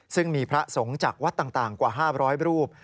ซึ่งมีพระสงฆ์จากวัดต่างกว่า๕๐๐รูป